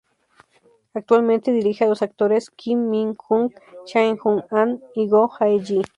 Actualmente dirige a los actores Kim Min-jung, Chae Jung-an y Goo Jae-yi.